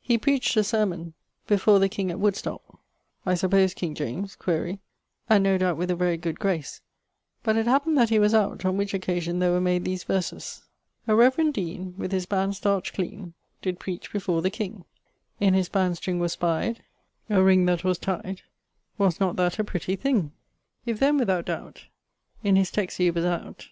He preacht a sermon before the king at Woodstock (I suppose king James, quaere) and no doubt with a very good grace; but it happened that he was out, on which occasion there were made these verses: A reverend deane, With his band starch't cleane, Did preach before the King; In his band string was spied A ring that was tied[CQ], Was not that a pretty thing? If then without doubt, In his text he was out